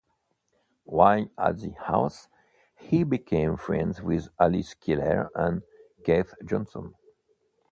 While at the house, he became friends with Alice Keeler and Keith Johnson.